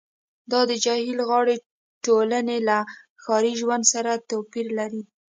دا د جهیل غاړې ټولنې له ښاري ژوند سره توپیر نلري